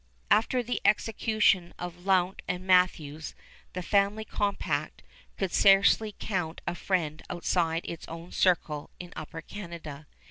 After the execution of Lount and Matthews the family compact could scarcely count a friend outside its own circle in Upper Canada.